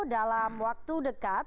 dalam waktu dekat